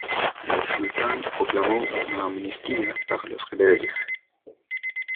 El sultán proclamó una amnistía para los rebeldes.